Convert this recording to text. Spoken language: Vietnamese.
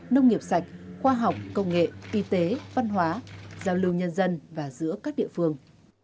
nông nghiệp sạch khoa học công nghệ y tế văn hóa giao lưu nhân dân và giữa các địa phương